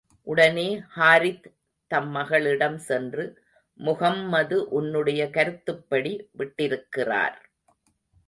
உடனே ஹாரித் தம் மகளிடம் சென்று, முஹம்மது உன்னுடைய கருத்துப்படி விட்டிருக்கிறார்.